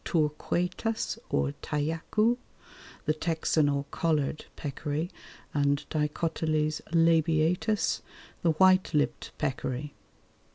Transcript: torquatus_ or tajacu, the Texan or collared peccary, and D. labiatus, the white lipped peccary.